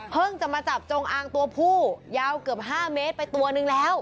จะมาจับจงอางตัวผู้ยาวเกือบ๕เมตรไปตัวนึงแล้ว